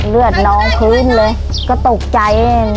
เลือดน้องขึ้นเลยก็ตกใจเอง